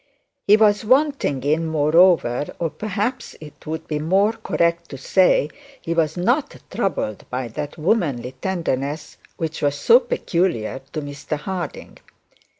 He was wanting in, moreover, or perhaps it would be more correct to say, he was not troubled by that womanly tenderness which was so peculiar to Mr Harding.